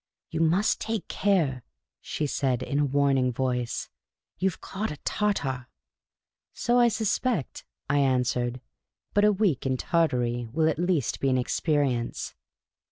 " You must take care," she said, in a warning voice. " You 've caught a Tartar." " So I suspect," I answered. " But a week in Tartary will be at least an experience."